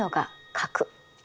核？